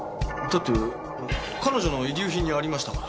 だって彼女の遺留品にありましたから。